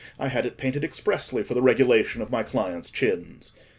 I had it painted expressly for the regulation of my clients' chins.)